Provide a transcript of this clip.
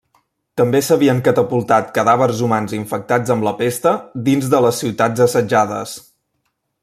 També s'havien catapultat cadàvers humans infectats amb la pesta dins de les ciutats assetjades.